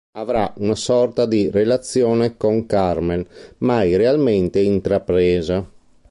Avrà una sorta di relazione con Carmen, mai realmente intrapresa.